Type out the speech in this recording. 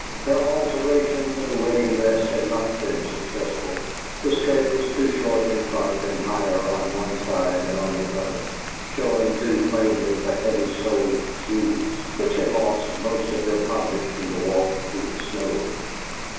Her alterations of the wedding dress had not been successful; the skirt was too short in front and higher on one side than on the other, showing too plainly the heavy soled shoes, which had lost most of their polish in the walk through the snow.